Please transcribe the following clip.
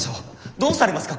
どうされますか？